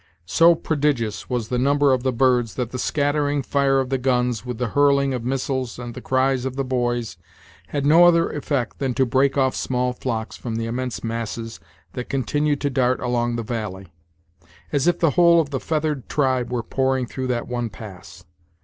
So prodigious was the number of the birds that the scattering fire of the guns, with the hurling of missiles and the cries of the boys, had no other effect than to break off small flocks from the immense masses that continued to dart along the valley, as if the whole of the feathered tribe were pouring through that one pass.